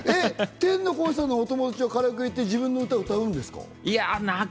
天の声さんのお友達、カラオケに行って、自分の歌、歌うんですか？